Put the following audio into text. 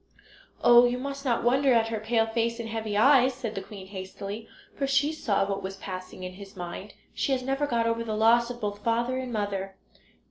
"Oh, you must not wonder at her pale face and heavy eyes," said the queen hastily, for she saw what was passing in his mind. "She has never got over the loss of both father and mother."